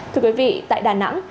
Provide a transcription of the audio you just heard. thưa quý vị tại đà nẵng